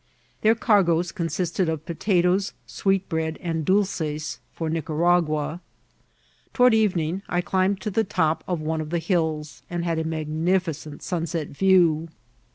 Their cargoes consisted of potatoes, sweet bread, and dofeesfor Nicaragua. Toward ereaing I climbed to the top of one of the hills, and had a magnificent snnsnf view.